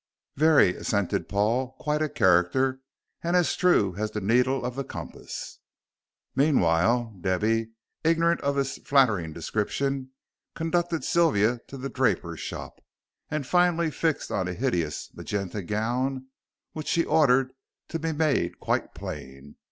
"Very," assented Paul, "quite a character, and as true as the needle of the compass." Meanwhile, Debby, ignorant of this flattering description, conducted Sylvia to the draper's shop, and finally fixed on a hideous magenta gown, which she ordered to be made quite plain.